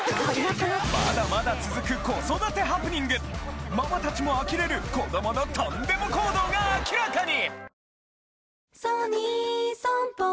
まだまだ続く子育てハプニングママ達も呆れる子どものトンデモ行動が明らかに！